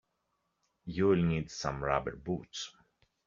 You will need some rubber boots.